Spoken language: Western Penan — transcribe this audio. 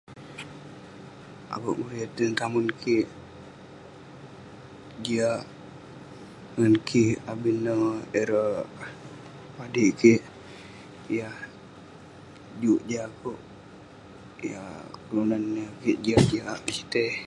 Akouk meriyet tinen tamen kik jiak ngan kik abin neh ireh padik kik yah juk jin akouk. Yah kelunan yah [unintelligible] sitei.